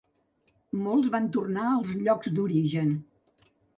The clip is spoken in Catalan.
Molts van tornant als llocs d’origen.